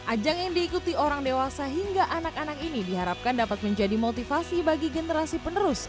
ajang yang diikuti orang dewasa hingga anak anak ini diharapkan dapat menjadi motivasi bagi generasi penerus